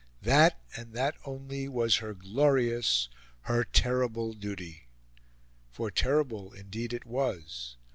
That, and that only was her glorious, her terrible duty. For terrible indeed it was.